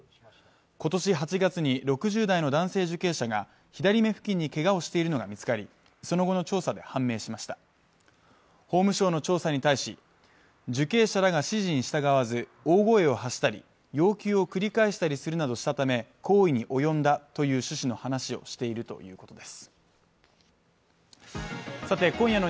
今年８月に６０代の男性受刑者が左目付近にけがをしているのが見つかりその後の調査で判明しました法務省の調査に対し受刑者らが指示に従わず大声を発したり要求を繰り返したりするなどしたため行為に及んだという趣旨の話をしているということです